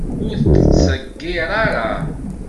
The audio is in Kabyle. Ur t-ttḍeggir ara!